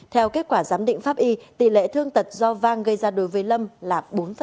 theo kết quả giám định pháp y tỷ lệ thương tật do vang gây ra đối với lâm là bốn